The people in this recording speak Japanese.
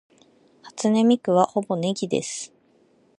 初音ミクはほぼネギです